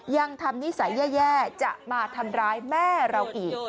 ยังทำนิสัยแย่จะมาทำร้ายแม่เราอีก